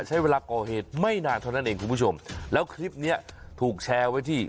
ใช้เวลาก่อเหตุไม่นานเท่านั้นเองคุณผู้ชมแล้วคลิปเนี้ยถูกแชร์ไว้ที่